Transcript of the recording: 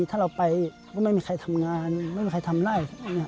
ถ้าเราไปก็ไม่มีใครทำงานไม่มีใครทำไล่